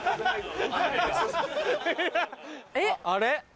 あれ？